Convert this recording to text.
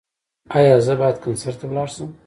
ایا زه باید کنسرت ته لاړ شم؟